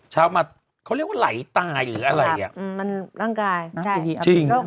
เช้ามาเขาเรียกว่าไหลตายหรืออะไรอ่ะอืมมันร่างกายจริง